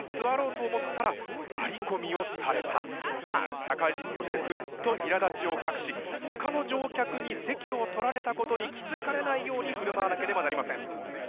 社会人としてぐっといらだちを隠しほかの乗客に席を取られたことに気づかれないようにふるまわなければなりません。